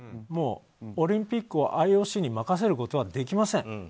もう、オリンピックをＩＯＣに任せることはできません。